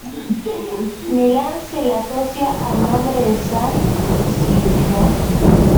Milan, se le asocia al nombre de "San Siro".